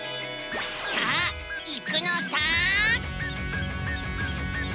さあ行くのさ！